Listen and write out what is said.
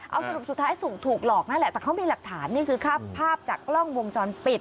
เอาสรุปสุดท้ายสุ่มถูกหลอกนั่นแหละแต่เขามีหลักฐานนี่คือภาพจากกล้องวงจรปิด